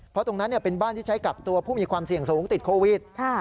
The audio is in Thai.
เพราะตรงนั้นเป็นบ้านที่ใช้กักตัวผู้มีความเสี่ยงสูงติดโควิด